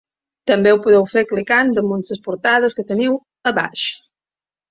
També ho podeu fer clicant damunt les portades que teniu a sota.